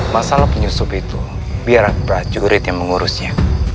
masalah penyusup itu biar aku berat jurid yang mengurusnya